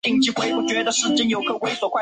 并担任人口资源环境委员会专委。